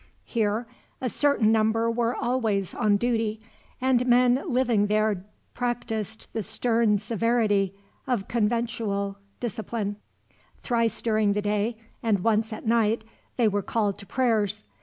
Here a certain number were always on duty, and men living there practiced the stern severity of conventual discipline. Thrice during the day, and once at night, they were called to prayers.